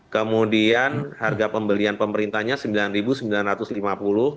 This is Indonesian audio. kemudian harga pembelian pemerintahnya rp sembilan sembilan ratus lima puluh